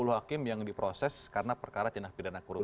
dua puluh hakim yang diproses karena perkara jenah pidana korupsi